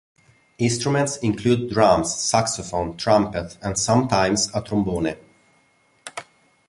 Instruments include drums, saxophone, trumpet and, sometimes, a trombone.